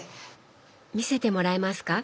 見せてもらえますか？